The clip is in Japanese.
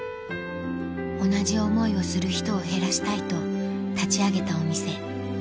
同じ思いをする人を減らしたいと立ち上げたお店